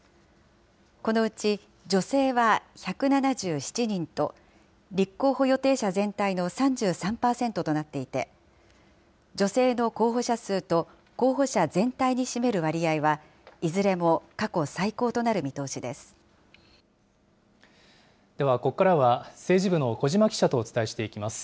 このうち女性は１７７人と、立候補予定者全体の３３％となっていて、女性の候補者数と候補者全体に占める割合は、いずれも過去最高とでは、ここからは政治部の小嶋記者とお伝えしていきます。